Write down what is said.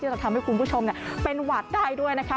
จะทำให้คุณผู้ชมเป็นหวัดได้ด้วยนะคะ